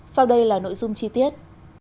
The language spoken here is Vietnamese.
sau đây là nội dung chi tiết